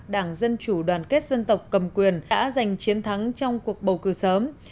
đảng dân chủ đoàn kết dân tộc cầm quyền đã giành chiến thắng trong cuộc bầu cử sớm